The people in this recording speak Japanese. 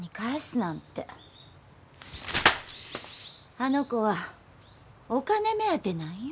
あの子はお金目当てなんよ。